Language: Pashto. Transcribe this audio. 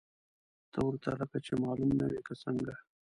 ته ورته لکه چې معلوم نه وې، که څنګه!؟